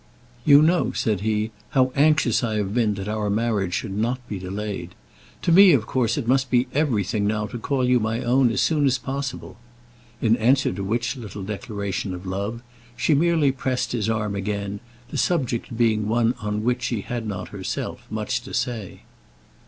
"You know," said he, "how anxious I have been that our marriage should not be delayed. To me, of course, it must be everything now to call you my own as soon as possible." In answer to which little declaration of love, she merely pressed his arm again, the subject being one on which she had not herself much to say.